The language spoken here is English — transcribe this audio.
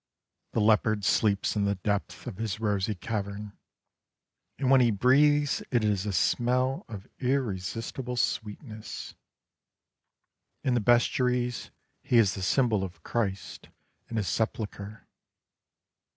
The leopard sleeps in the depth of his rosy cavern, and when he breathes it is a smell of irresistible sweetness ; in the bestiaries he is the symbol of Christ in his sepulchre.